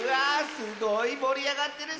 すごいもりあがってるッス！